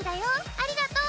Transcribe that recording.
ありがとう」。